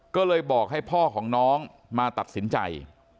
ก็เลยบอกให้พ่อของน้องมาตัดสินใจ